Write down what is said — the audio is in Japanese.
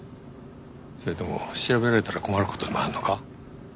それとも調べられたら困る事でもあるのか？